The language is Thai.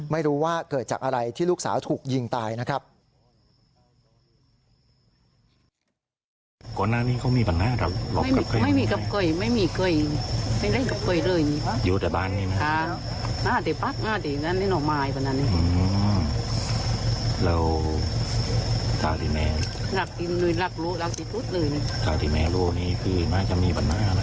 ไม่รู้ว่าเกิดจากอะไรที่ลูกสาวถูกยิงตายนะครับ